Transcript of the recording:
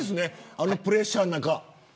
あのプレッシャーの中。